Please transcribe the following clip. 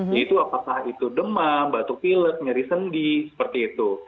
yaitu apakah itu demam batuk pilek nyeri sendi seperti itu